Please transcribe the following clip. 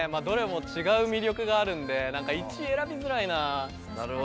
どれも違う魅力があるんで何か１位選びづらいなあ。